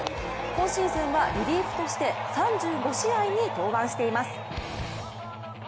今シーズンはリリーフとして３５試合に登板しています。